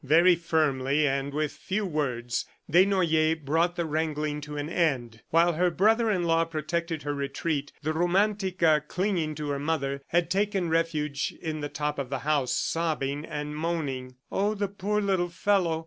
Very firmly and with few words, Desnoyers brought the wrangling to an end. While her brother in law protected her retreat, the Romantica, clinging to her mother, had taken refuge in the top of the house, sobbing and moaning, "Oh, the poor little fellow!